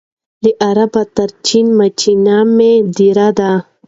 له عرب تر چین ماچینه مي دېرې دي